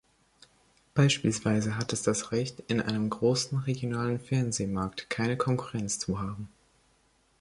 Beispielsweise hat es das Recht, in einem großen regionalen Fernsehmarkt keine Konkurrenz zu haben.